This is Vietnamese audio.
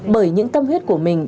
bởi những tâm huyết của mình